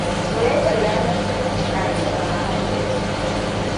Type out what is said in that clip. Soyayyar yanar gizo na iya zama haɗari.